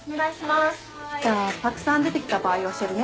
じゃあたくさん出て来た場合教えるね。